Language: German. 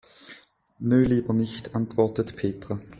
Nö, lieber nicht, antwortet Petra.